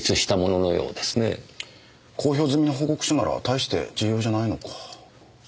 公表済みの報告書なら大して重要じゃないのか。